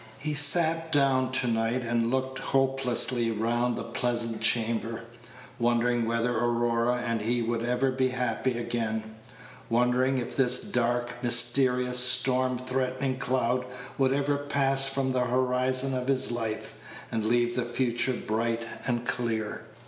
He sat down to night, and looked hopelessly round the pleasant chamber, wondering whether Aurora and he would ever be happy again wondering if this dark, mysterious, storm threatening cloud would ever pass from the horizon of his life, and leave the future bright and clear.